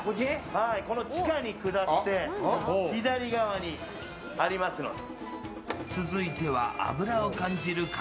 この地下に下って左側にありますので。